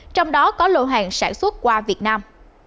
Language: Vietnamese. trong đó có lô hàng sản xuất qua việt nam